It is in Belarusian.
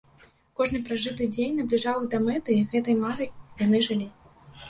Кожны пражыты дзень набліжаў іх да мэты, і гэтай марай яны жылі.